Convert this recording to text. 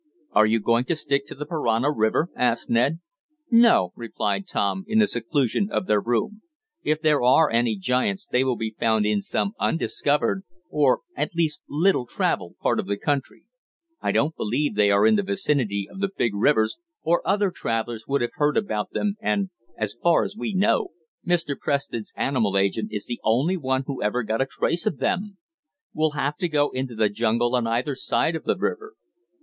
"Are you going to stick to the Parana river?" asked Ned. "No," replied Tom, in the seclusion of their room, "if there are any giants they will be found in some undiscovered, or at least little traveled, part of the country. I don't believe they are in the vicinity of the big rivers, or other travelers would have heard about them, and, as far as we know, Mr. Preston's animal agent is the only one who ever got a trace of them. We'll have to go into the jungle on either side of the river."